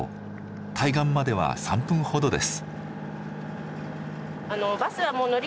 対岸までは３分ほどです。